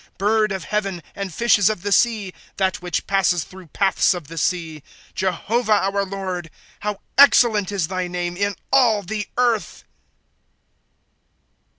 ^ Bird of heaven, and fishes of the sea, — That which passes through paths of the seas. '■' Jehovah, our Lord, How excellent is thy name in all the earth